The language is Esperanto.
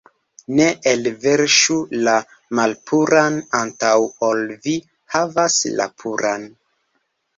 Ne elverŝu la malpuran, antaŭ ol vi havas la puran.